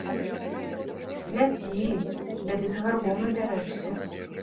Глядзі, бяды з гарбом набярэшся.